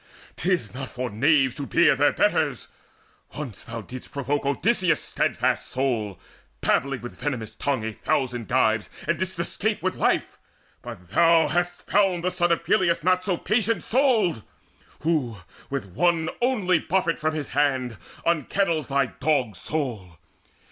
'Tis not for knaves to beard their betters: once Thou didst provoke Odysseus' steadfast soul, Babbling with venomous tongue a thousand gibes, And didst escape with life; but thou hast found The son of Peleus not so patient souled, Who with one only buffet from his hand Unkennels thy dog's soul!